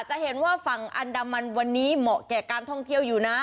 จะเห็นว่าฝั่งอันดามันวันนี้เหมาะแก่การท่องเที่ยวอยู่นะ